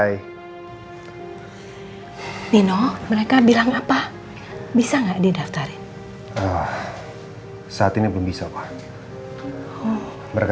ini nino mereka bilang apa bisa nggak didaftarin saat ini belum bisa pak mereka